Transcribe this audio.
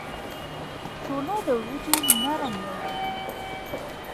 شوله د وریجو نرم ډول دی.